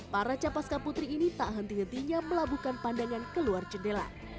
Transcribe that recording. para capaska putri ini tak henti hentinya melabuhkan pandangan keluar jendela